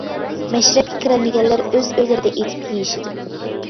مەشرەپكە كىرەلمىگەنلەر ئۆز ئۆيلىرىدە ئېتىپ يېيىشىدۇ.